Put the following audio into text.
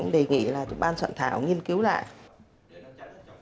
đề nghị là ban soạn thảo nghiên cứu lại